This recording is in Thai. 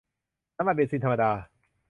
น้ำมันเบนซินธรรมดา